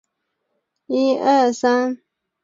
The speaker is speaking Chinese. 原上猿有可能其实与埃及猿是同一种生物。